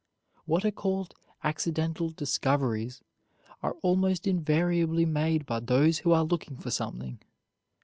What are called accidental discoveries are almost invariably made by those who are looking for something.